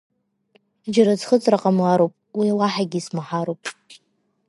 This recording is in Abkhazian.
Џьара аӡхыҵра ҟамлароуп, уи уаҳагьы исмаҳароуп!